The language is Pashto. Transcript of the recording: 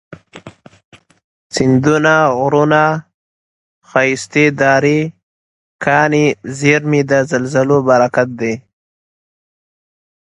سیندونه، غرونه، ښایستې درې، کاني زیرمي، د زلزلو برکت دی